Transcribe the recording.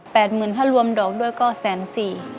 หมื่นถ้ารวมดอกด้วยก็แสนสี่